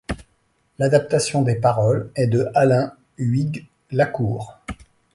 L'adaptation des paroles est de Alain Huyghues-Lacour.